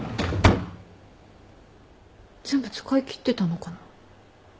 全部使い切ってたのかな？